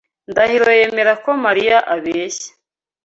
Ndahiro yemera ko Mariya abeshya.